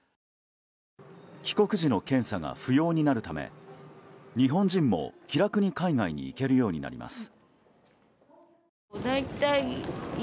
帰国時の検査が不要になるため日本人も気楽に海外に行けるようになります。